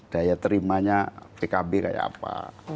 daya terimanya pkb kayak apa